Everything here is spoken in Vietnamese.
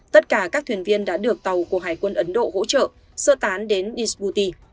tất cả các thuyền viên đã được tàu của hải quân ấn độ hỗ trợ sơ tán đến isbuti